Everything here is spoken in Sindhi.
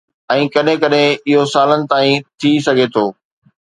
۽ ڪڏهن ڪڏهن اهو سالن تائين ٿي سگهي ٿو.